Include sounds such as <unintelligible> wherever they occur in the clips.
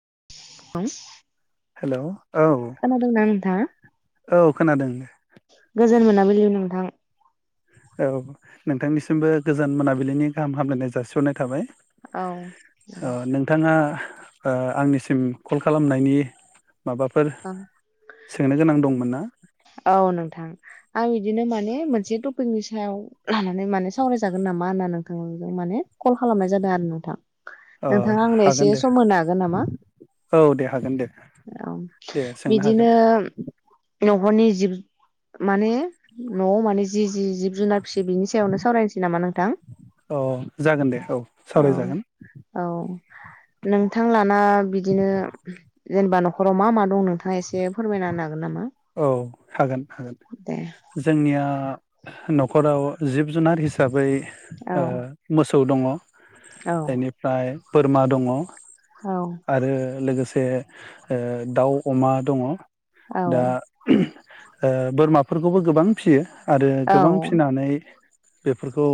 <unintelligible> हेल' औ खोनादोंना नोंथाङा औ खोनादों गोजोन मोनाबिलि नोंथां औ नोंथांनिसिमबो गोजान मोनाबिलिनि गाहाम हामलायनाय जासिहरनाय थाबाय औ ओ नोंथाङा ओ आंनिसिम कल खालामनायनि माबाफोर औ। सोंनो गोनां दंमोन ना औ नोंथां। आं बिदिनो माने मोनसे टपिकनि सायाव लानानै माने सावरायजागोन नामा होनना नोंथांजों माने कल खालामनाय जादों आरो नोंथां औ नोंथाङा आंनो एसे हागोन दे सम होनो हागोन नामा औ दे हागोन दे औ दे सोंनो हागोन बिदिनो न'खरनि जिब माने न'आव माने जि-जि-जिब जुनार फिसियो बिनि सायावनो सावरायनोसै नामा नोंथां अ जागोन दे औ सावरायजागोन नोंथांलाना बिदिनो जेनेबा न'खराव मा मा दं नोंथाङा एसे फोरमायना होनो हाग औ हागोन हागोन दे जोंनिया न'खराव जिब जुनार हिसाबै औ ओ मोस सौ दङ। औ एनिफ्राय बोरमा दङ औ आरो लोगोसे ओ दाउ अमा दङ दा औ ओ बोरमाफोरखौबो गोबां फियो। आरो औ गोबां फिनानै बेफोरखौ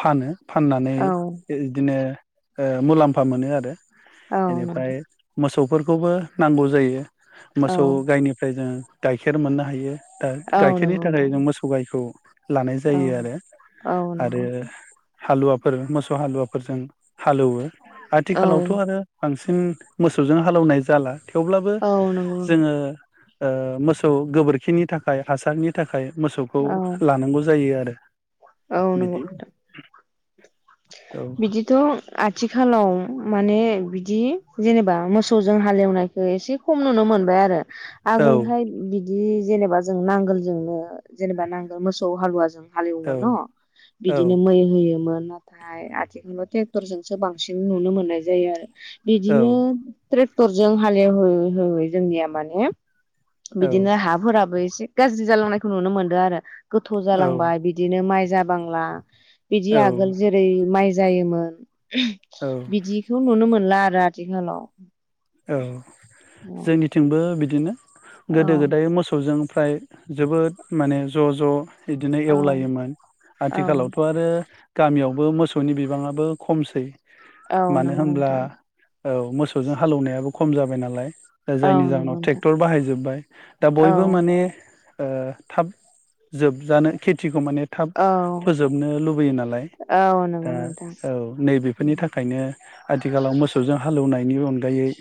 फानो फाननानै औ इदिनो ओ मुलाम्फा मोनो आरो औ नोंथां एनिफ्राय मोसौ फोरखौबो नांगौ जायो। औ मोसौ गायनि गाइखेर मोननो हा हायो दा औ गाइखेरनि नंगौ थाखाय नोंथां जों मोसौ गाइखौ लानाय औ जायो आरो औ आरो नंगौ हालुवाफोर मोसौ हालुवाफोरजों। हालौवो औ आथिखालावथ' आरो बांसिन न मोसौजों हालेवनाय जाला। थेवब्लाबो औ नंगौ नोंथां जोङो ओ मोसौ गोबोरखिनि थाखाय हासारनि थाख खाय मोसौखौ औ लानांगौ जायो आरो नंगौ बिदि <inaudible> नोंथां औ बिदिथ आथि खालाव माने बिदि जेनेबा मोसौजों हालेवनायखौ एसे खम नुनो मोनबाय आरो औ आगोलहाय बिदि दि जेनेबा जों नांगोलजोंनो जेनेबा नांगोल मोसौ हालुवाजों औ हालेवोमोन न बिदिनो मै होयोमोन। थाय आथिखालाव टेक्टरजोंसो बांसिन नुनो मोननाय जायो आरो। औ बिदिनो ट्रेक टरजों हालेव होैवै हौवै जोंनिया माने औ बिदिनो हाफोराबो इ से गाज्रि जालांनायखौ नुनो मोनदो आरो। गोथौ औ जालांबाय बिदिनो माइ जाबांला। बिदि औ आगोल रै माइ जायोमोन। बिदिखौ नुनो मोनला रा आथिखालाव। औ औ जोंनिथिंबो बि बिदिनो। औ गोदो गोदाय मोसौजों फ्राय जोबोद माने ज ज बिदिनो एवलायोमोन औ आथिखालावथ आरो गामियावबो मोसौनि बिबाङाबो खमसै। औ मानो नंगौ होमब्ला नोंथां औ मोसौजों हालौनायाबो खम जाबाय नालाय दा औ जायनि जाहोनाव नंगौ नोंथां थेक्टर बाहायजोब्बाय दा औ बयबो माने ओ थाब जोबजानो खेथिखौ माने थाब औ फोजोबनो लुबैयो नालाय, औ नंगौ दा नोंथां औ नैबेफोरनि थाखायनो आथिखालाव मोसौजों हा हालौनायनि अन गायै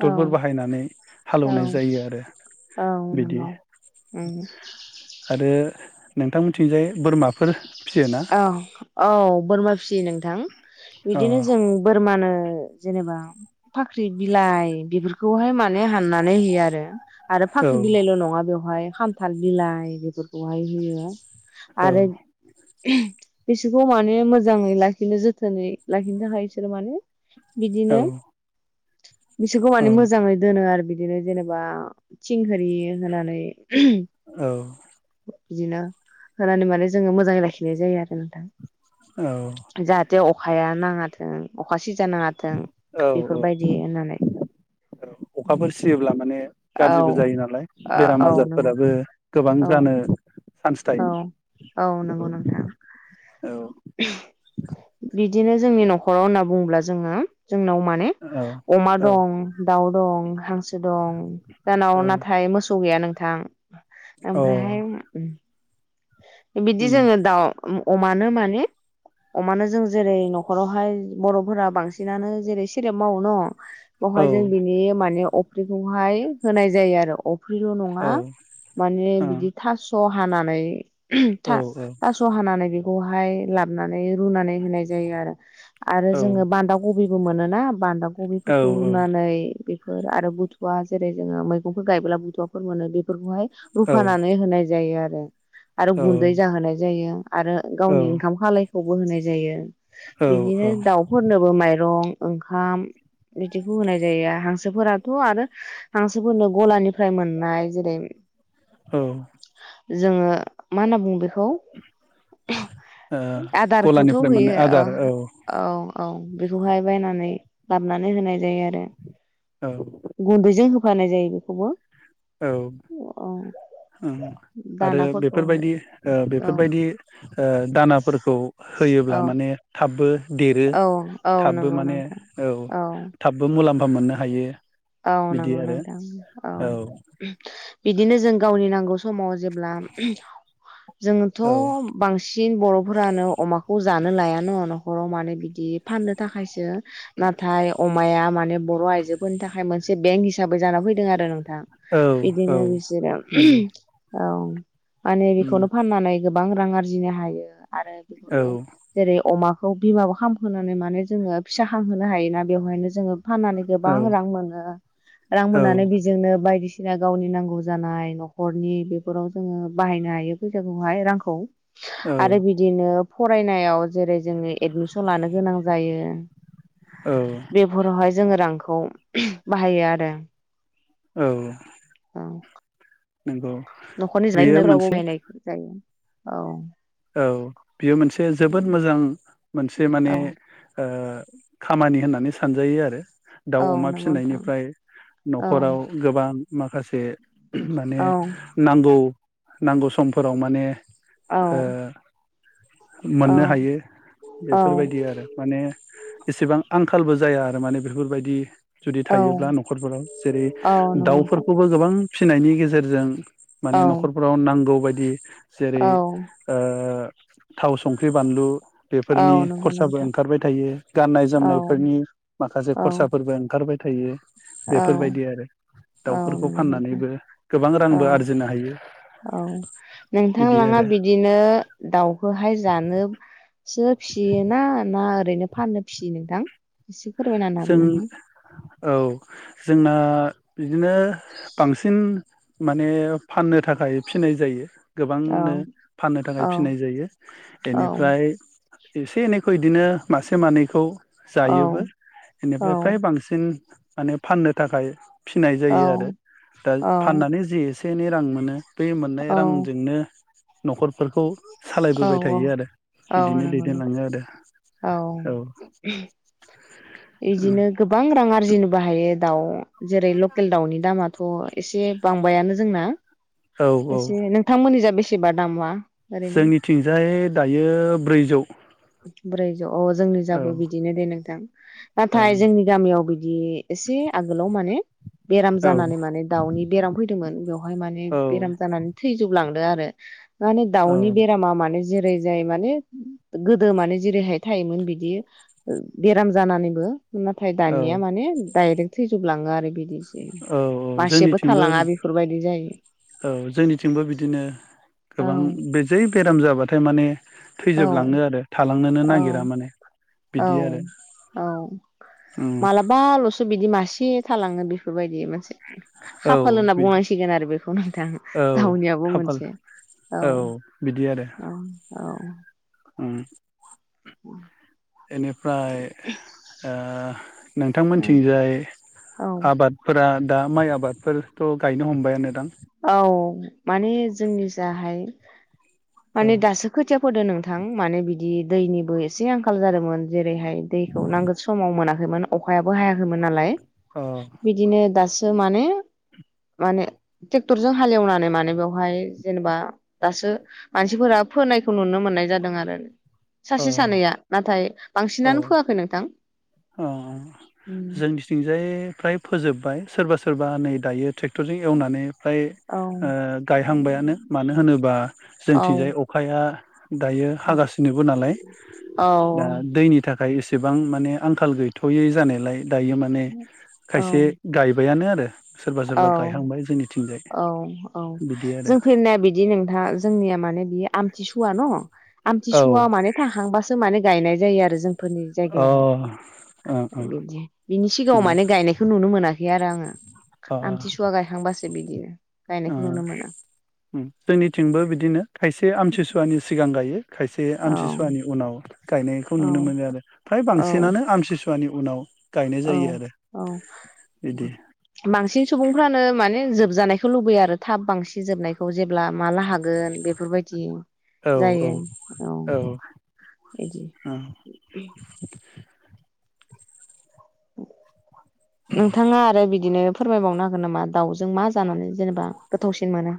औ बाहायनानै औ हालौनाय जायो आरो औ बिदि नंगौ आरो नोंथांमोनथिंजाय बोरमा औ औ बोरमा फिसियो नोंथां अ बिदिनो जों बोरमानो जेनेबा फाख्रि बिलाइ बेफोरखौहाय माने हाननानै होयो आरो। आरो औ फाख्रि बिलाइल नङा बेवहाय खान्थाल बिलाइ बेफोरखौहाय होयो। औ आरो बिसोरखौ माने मोजाङै लाखिनो जोथोनै लाखिनो थाखाय इसोर माने औ बिदिनो बिसोरखौ माने मोजाङै दोनो आरो बिद बिदिनो जेनेबा थिं होरि होनानै औ बिदिनो होनानै माने जोङो मोजाङै लाखिनाय जायो आरो औ नोंथां। जाहाथे अख अखाया नाङाथों अखास औ औ होननानै औ अखाफोर सियोब्ला माने गाज्रिबो औ जायो नालाय ओ बेराम औ नंगौ आजारफोराबो गोबां औ जानो चान्स औ थायो औ नंगौ नोंथां औ बिद बिदिनो जोंनि न'खराव होनना बुङोब्ला जोङो। जोंनाव माने अमा औ दं दाउ दं हांसो दं जाहानाव औ नाथाय मोसौ गैया नों थां। ओमफ्राय हाय औ उम बिदि उम जोङो दाउ उम अमानो माने अमानो जों जेरै न'खरावहाय बर'फोरा बांसिनानो जेरै सेरेब मावो न' औ बहाय जों बिनि माने अब फ्रिखौहाय होनाय जायो आरो अफ्रिल' नङा औ ओ औ माने औ बिदि थास हानानै औ था थास हानानै बे खौहाय लाबना नै रुनानै होनाय जायो आरो आरो औ जोङो बान्दा कबि मोनोना बान्दा कबिफोरखौ औ रुनानै बे फोर आरो बुथुवा जेरै जोङो मैगंफोर गायोब्ला बुथुवाफोर मोनो बे फोरखौहाय रुफानानै होनाय जायो आ रो आरो गुन्दै जाहोनाय जायो आरो औ औ गावनि ओंखाम खालाय खौबो होनाय जायो। बिदिनो औ दाउफोरनोबो माइरं ओंखाम बिदिखौ होनाय जायो हांसोफोराथ' आरो हांसोफोरनो गलानिफ्राय मोननाय जेरै औ। जोङो मा होनना बुंङो बे खौ? आदारखौथ' गलानिफ्राय मोननाय होयो। ओ आदार औ औ। औ बेखौहाय बायनानै लाबानै होनाय जायो आरो औ गुन्दैजों होफानाय जायो बेखौबो औ। औ उम आरो बे दानाफोरखौहाय बेफोरबायदि ओ औ बेफोरबायदि ओ दानाफोरखौ होयोब्ला औ माने थाबबो देरो औ औ थाबबो नंगौ माने नोंथां औ थाबबो मुलाम् फा मोननो हायो औ बिदि नंगौ आरो नोंथां औ। बिदिनो जों गावनि नांगौ समाव जेब्ला जोंथ' औ बांसिन बर'फोरानो अमाखौ जानो लाया न' न'खराव माने बिदि फाननो थाखायसो नाथाय अमाया माने बर' आइजोफोरनि था खाय मोनसे बेंक हिसाबै जाना फैदों आरो नों थां औ औ बिदिनो बिसोरो नंगौ औ माने उम बेखौनो फाननानै गोबां रां आरजिनो हायो। आरो औ बेखौनो जेरै अमा खौ बिमाबो खामहोनानै माने जोङो फिसा खांहोनो हायोना बेवहायनो जोङो फाननानै गोबां औ रां मो नो रां औ मोननानै बेजोंनो बायदिसि ना गावनि नांगौ जानाय न'खरनि बेफोराव जोङो बाहायनो हायो फैसाखौहाय रांखौ। औ आरो बिदिनो फरायनायाव जेरै जोंनि एडमिसन लानो गोनां जायो औ बेफोरावहाय जोङो रां खौ बाहायो आरो औ औ नंगौ न'खरनि जानाय बेयो लोंनायफोराव मोनसे बाहायनाय <unintelligible> जायो। औ औ बेयो मोनसे जोबोद मोजां। मोनसे औ माने ओ खामानि होननानै सानजायो आरो औ दाउ अमा नंगौ नोंथां फिसिनायनिफ्राय औ न'खराव गोबां माखासे माने औ नांगौ नांगौ समफोराव माने औ ओ औ मोननो हायो औ बेफोरबायदि आरो माने एसेबां आंखालबो जाया आरो माने बेफोरबायदि जुदि औ थायोब्ला न'खरफोराव जेरै औ नंगौ नोंथां दाउफोरखौबो गोबां फिनायनि गेजेरजों माने औ न'खरफोराव नांगौ बाय दि जेरै औ ओ थाव संख्रि बानलु औ बेफोरनि नंगौ खरसाबो नोंथां ओंखारबाय थायो गाननाय औ जोमनायफोरनि माखासे औ खरसाफोरबो ओंखारबाय थायो। औ बेफोरबायदि आरो औ दाउफोरखौ नंगौ नोंथां फाननानैबो गोबां औ रांबो आरजिनो हायो। औ नोंथां बिदि लाङा आरो बिद बिदिनो दाउखौहाय जानो सो फिसियोना ना ओ रैनो फाननो फिसियो नोंथां? एसे फोरमायना जों होनो हागोन नामा औ जोंना बिदिनो बांसिन माने फाननो थाखाय फिनाय जायो। औ गोबांनो फाननो थाखाय फिनाय औ जायो औ एनिफ्राय एसे एनैखौ इदिनो मासे मानैखौ औ जायोबो। औ बेनिफ्राय फ्राय बांसिन माने फाननो थाखाय फिनाय औ जायो आरो दा फाननानै जि सेनि रां मोनो बे मोननाय औ रांजोंनो न'खरफोरखौ सालायबोबाय औ थायो आरो औ बिदिनो नंगौ नोंथां दैदेनलाङो आरो औ। औ बिदिनो गोबां रां आरजिनोबो हायो। दाउ जेरै लकेल दाउनि दामा थ' एसे बांबायानो जोंना। औ औ एसे नोंथांमोननि जा बेसे <inaudible> जोंनिथिंजाय दायो ब्रैजौ। ब्रै अ जोंनि औ जाबो बिदिनो दे नोंथां। नाथाय ओं जोंनि गामियाव बिदि बिदि एसे आगोलाव माने बेराम औ जानानै माने दाउनि बेराम फैदोंमोन बेवहाय माने बेराम औ जानानै थैजोबलांदों। आरो। माने औ दाउनि बेरामा माने जेरै जायो माने गोदो माने जेरैहाय थायोमोन बिदि बेराम जानानैबो नाथाय दानिया औ माने डाइरेक्ट। थैजोबलाङो आरो बिदि। औ औ जोंनिथिंबो बेफोरबायदि जायो औ जोंनिथिंबो बिदिनो औ गोबां बे जै बेराम जाबाथाय माने औ थैजोबलाङो आरो थ लांनोनो औ नागिरा माने औ आरो औ उम मालाबाल'सो बिदि मा आसि थालाङो बेफोरबायदि मोनसे। औ खाफाल होनना बिदि बुंनांसिगोन आरो बेखौ नोंथां औ दावनियाबो खाफाल मोनसे औ बिदि आरो औऔऔ। उम। औ। बेनिफ्राय ओ नोंथां मोनथिंजाय औ आबादफोरा दा माइ आबादफोरथ' गायनो हमबायानो दां। औ माने जोंनि जाहाय औ माने दासो खोथिया फोदों नोंथां मानो बे वदि दैनिबो एसे आंखाल जादोंमोन जे ओरैहाय दैखौ नांगोन समाव मोनाखै। खोमोन अखायाबो हायाखैमोन नालाय। अ बिदिनो दासि ज माने माने ट्रेक्टरजों हालेवनानै मानो बेवहाय जेनेबा दासो मानसिफोरा फोनायखौ नुनो मोननाय जादों आरो। सासे सानैया नाथाय अ बांसिनानो फोआखै नोंथां। अ अ जोंनिथिंजाय फ्राय फोजोब्बाय सोरबा सोरबा नै दायो ट्रेक्। क्टरजों एवनानै फ्राय औ ओ गायहांबायानो मानो होनोबा औ जोंथिंजाय अखाया दायो औ हागासिनोबो नालाय दा दैनि थाख खाय एसेबां माने। आंखाल गैथ'यै जानायलाय दायो माने औ खायसे गायबायानो आरो सोरबा औ सोरबा गायहांबाय जोंनिथिंजाय औ औ बिदि आरो जों फैनाया बिदि नोंथा जोंनिया माने बियो आमथि सुआ न औ आमथिसुवा माने थाहांबासो माने गायनाय जायो आरो जों फोरनि अ ओ जायगायावहाय ओ बिदि बिनि सिगाङाव माने गायनायखौ नुनो मोना बि आरो आङो ओ आमथिसुवा गायखांबासो बि बियो। ओ उम जोंनिथिंबो बिदिनो खायस से आमथिसुवानि सिगां गायो। खायसे औ आमति सुवानि उनाव गायनायखौ नुनो औ मोनो आरो फ्राय औ बांसिनानो आमसि सु सुवानि उनाव गायनाय औ जायो आरो औ बिदि बांसिन सुबुंफ्रानो माने ने जोबजानायखौ लुबैयो आरो थाब बांसिन जोबनायखौ जेब्ला माला हागोन बेफोरबायदि जायो औ औ बिदि औ ओं <inaudible> नोंथाङा आरो बिदिनो फोरमायबावनो हागोन नामा दाउजों मा जानानै जेनेबा गोथावसिन मोनो?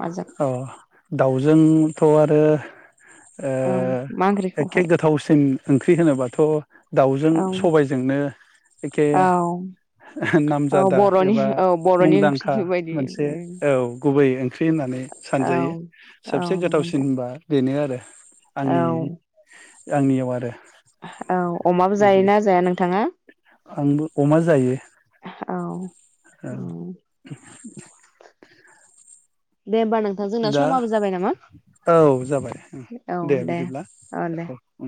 माजों अ दाउजोंथ' आरो ओ औ मा एखे ओंख्रिखौहाय गोथावसिन ओंख्रि ख्रि होनोबाथ' दाउजों औ सबायजोंनो एखे औ औ नामजादा बर'नि एबा औ बर'नि ओंख्रि मुंदांखा बायदि मोनसे उम औ गुबै ओंख्रि होननानै औ सानजायो औ सबसे नंगौ नोंथां गोथावसिनबा बेनो आरो आंनि आंनियाव आरो। हो औ। अमाबो बिदि जायोना जाया नोंथाङा? आंबो अमा जायो औ औ। दे होमबा नोंथां जोंना दा समाबो जाबाय नामा औ जाबाय औ दे ओ दे। औ